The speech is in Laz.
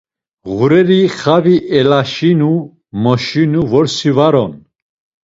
Ğureri xavi elaşinu, moşinu vorsi var on.